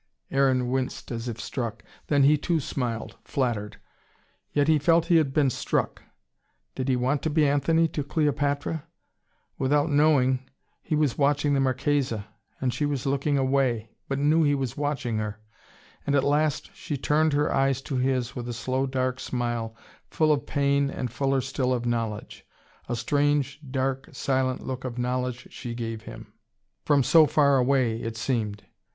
Aaron winced as if struck. Then he too smiled, flattered. Yet he felt he had been struck! Did he want to be Anthony to Cleopatra? Without knowing, he was watching the Marchesa. And she was looking away, but knew he was watching her. And at last she turned her eyes to his, with a slow, dark smile, full of pain and fuller still of knowledge. A strange, dark, silent look of knowledge she gave him: from so far away, it seemed.